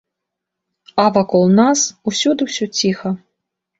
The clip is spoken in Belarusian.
А вакол нас усюды ўсё ціха.